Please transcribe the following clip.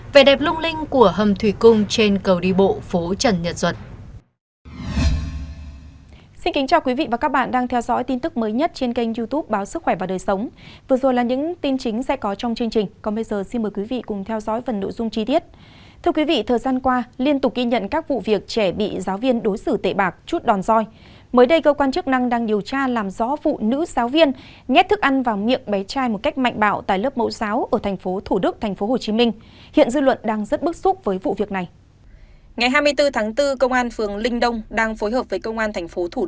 vẻ đẹp lung linh của hầm thủy cung trên cầu đi bộ phố trần nhật duật